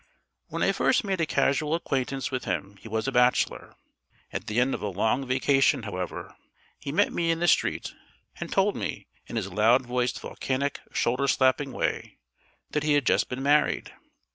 When I first made a casual acquaintance with him he was a bachelor. At the end of a long vacation, however, he met me in the street, and told me, in his loud voiced volcanic shoulder slapping way, that he had just been married.